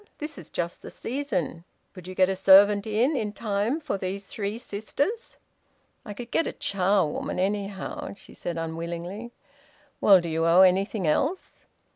This is just the season. Could you get a servant in, in time for these three sisters?" "I could get a charwoman, anyhow," she said unwillingly. "Well, do you owe anything else?"